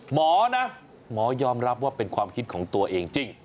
หมอนะหมอยอมรับว่าเป็นความคิดของตัวเองจริง